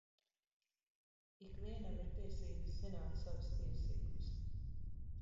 Ik vienam ir tiesības zināt savas tiesības.